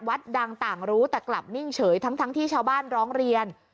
วัดดังต่างรู้แต่กลับนิ่งเฉยทั้งที่ชาวบ้านร้องเรียน